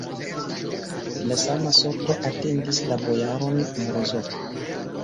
La sama sorto atendis la bojaron Morozov.